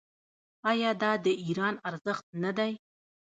آیا دا د ایران ارزښت نه دی؟